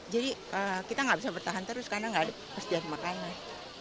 jadi kita nggak bisa bertahan terus karena nggak ada persediaan makanan